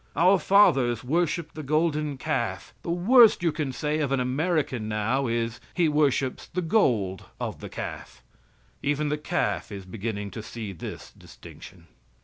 Our fathers worshiped the golden calf. The worst you can say of an American now is, he worships the gold of the calf. Even the calf is beginning to see this distinction.